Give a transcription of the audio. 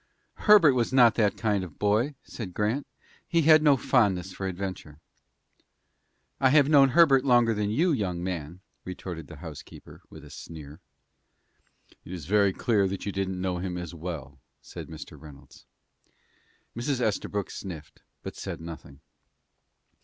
"Herbert was not that kind of a boy," said Grant. "He had no fondness for adventure." "I have known Herbert longer than you, young man," retorted the housekeeper, with a sneer. "It is very clear that you didn't know him as well," said Mr. Reynolds. Mrs. Estabrook sniffed, but said nothing.